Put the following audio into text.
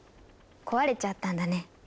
壊れちゃったんだね。